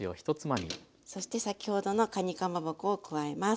そして先ほどのかにかまぼこを加えます。